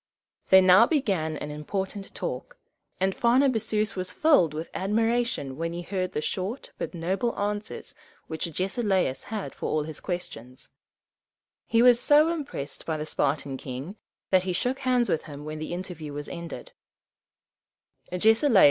They now began an important talk, and Pharnabazus was filled with admiration when he heard the short but noble answers which Agesilaus had for all his questions. He was so impressed by the Spartan king, that he shook hands with him when the interview was ended.